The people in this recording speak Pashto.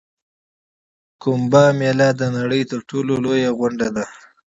کومبه میله د نړۍ تر ټولو لویه غونډه ده.